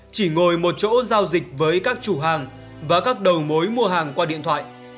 chỉ ngồi một chỗ giao dịch với các chủ hàng và các đầu mối mua hàng qua điện thoại